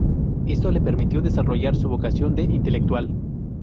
Esto le permitió desarrollar su vocación de intelectual.